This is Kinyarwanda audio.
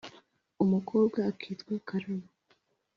umukobwa akitwa karabo